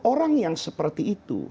orang yang seperti itu